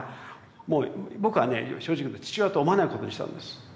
もう僕はね正直言うと父親と思わないことにしたんです。